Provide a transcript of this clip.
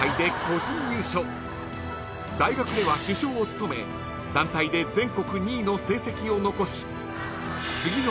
［大学では主将を務め団体で全国２位の成績を残し］